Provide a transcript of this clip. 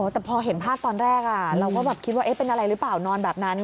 แต่พอเห็นภาพตอนแรกเราก็แบบคิดว่าเป็นอะไรหรือเปล่านอนแบบนั้น